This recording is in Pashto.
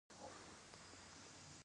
آمر اعطا یو صلاحیت لرونکی کس دی.